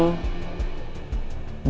dia berada dalam tahanan